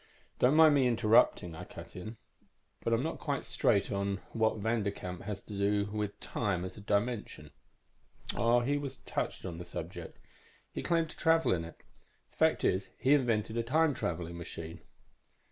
"Don't mind my interrupting," I cut in. "But I'm not quite straight on what Vanderkamp has to do with time as dimension." "Oh, he was touched on the subject. He claimed to travel in it. The fact is, he invented a time traveling machine."